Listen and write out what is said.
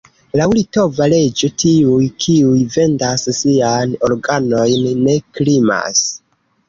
Laŭ litova leĝo tiuj, kiuj vendas sian organojn, ne krimas.